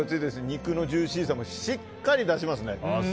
肉のジューシーさもしっかり出しますね。